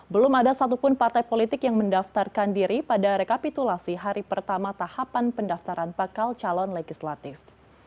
belum ada satupun partai politik yang mendaftarkan diri pada rekapitulasi hari pertama tahapan pendaftaran bakal calon legislatif